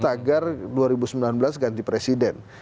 tagar dua ribu sembilan belas ganti presiden